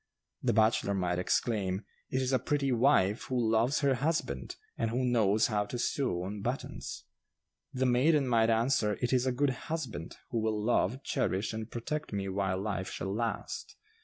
The bachelor might exclaim, 'It is a pretty wife who loves her husband, and who knows how to sew on buttons.' The maiden might answer, 'It is a good husband, who will love, cherish and protect me while life shall last.